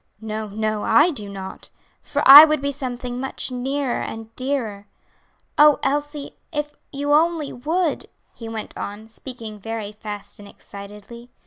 "No, no, I do not; for I would be something much nearer and dearer. Oh, Elsie, if you only would!" he went on, speaking very fast and excitedly.